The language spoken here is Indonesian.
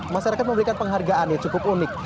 masyarakat memberikan penghargaan yang cukup unik